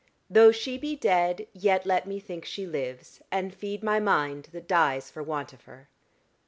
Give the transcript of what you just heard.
Though she be dead, yet let me think she lives, And feed my mind, that dies for want of her.